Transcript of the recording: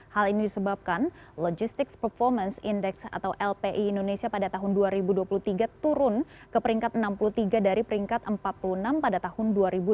hal ini disebabkan logistics performance index atau lpi indonesia pada tahun dua ribu dua puluh tiga turun ke peringkat enam puluh tiga dari peringkat empat puluh enam pada tahun dua ribu dua puluh